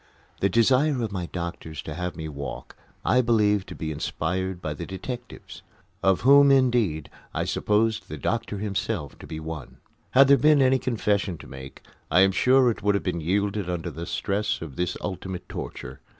The desire of the doctors to have me walk I believed to be inspired by the detectives, of whom, indeed, I supposed the doctor himself to be one. Had there been any confession to make, I am sure it would have been yielded under the stress of this ultimate torture.